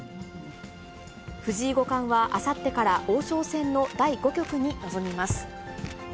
藤井五冠はあさってから、王将戦の第５局に臨みます。